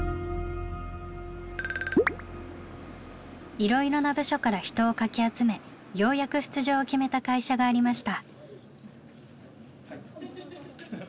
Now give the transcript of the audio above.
いろいろな部署から人をかき集めようやく出場を決めた会社がありました。